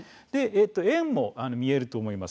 円も見えると思います。